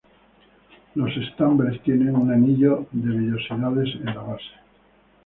Los estambres tienen un anillo de vellosidades en la base.